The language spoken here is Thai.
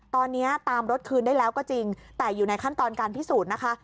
ตอนนี้ตามรถคืนได้แล้วก็จริงแต่อยู่ในขั้นตอนการพิสูจน์นะคะ